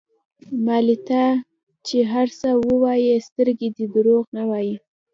مالې ته چې هر څه ووايې سترګې دې دروغ نه وايي.